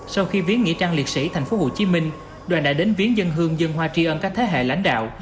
sau khi viếng nghĩa trang liệt sĩ tp hcm đoàn đã đến viến dân hương dân hoa tri ân các thế hệ lãnh đạo